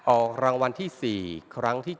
ออกรางวัลที่๔ครั้งที่๗